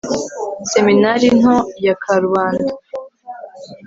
Seminari Nto ya Karubanda